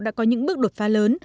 đã có những bước đột phá lớn